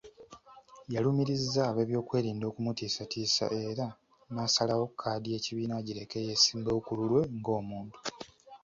Yalumiriza ab'ebyokwerinda okumutiisatiisa era n'asalawo kaadi y'ekibiina agireke yeesimbewo ku lulwe ng'omuntu.